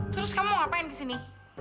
terus kamu mau ngapain di sini